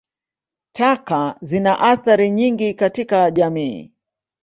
Taka zina athari nyingi katika jamii.